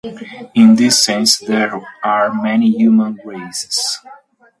In this sense there are many human 'races.